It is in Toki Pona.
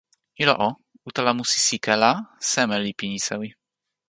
ilo o, utala musi sike la seme li pini sewi?